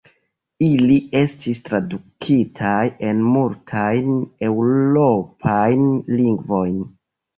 Ili estis tradukitaj en multajn eŭropajn lingvojn.